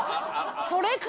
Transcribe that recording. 「それか！」。